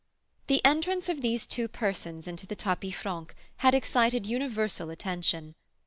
The entrance of these two persons into the tapis franc had excited universal attention.